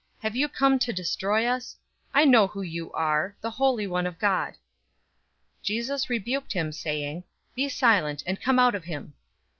Have you come to destroy us? I know you who you are: the Holy One of God!" 004:035 Jesus rebuked him, saying, "Be silent, and come out of him!"